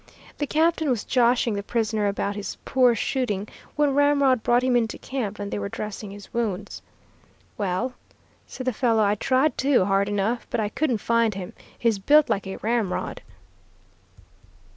The captain was joshing the prisoner about his poor shooting when Ramrod brought him into camp and they were dressing his wounds. "Well," said the fellow, "I tried to hard enough, but I couldn't find him. He's built like a ramrod."